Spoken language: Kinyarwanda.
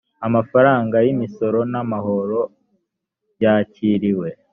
amafaranga y imisoro n amahoro yakiriwe